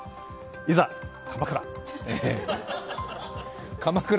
いざ、鎌倉！